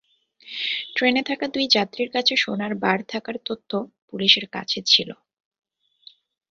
ট্রেনে থাকা দুই যাত্রীর কাছে সোনার বার থাকার তথ্য পুলিশের কাছে ছিল।